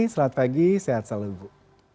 selamat pagi sehat selalu bu